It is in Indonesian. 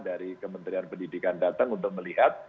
dari kementerian pendidikan datang untuk melihat